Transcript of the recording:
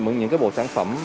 những bộ sản phẩm